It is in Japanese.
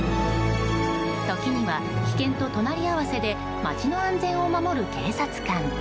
時には危険と隣り合わせで街の安全を守る警察官。